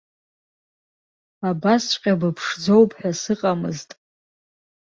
Абасҵәҟьа быԥшӡоуп ҳәа сыҟамызт.